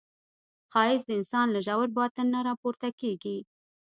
ښایست د انسان له ژور باطن نه راپورته کېږي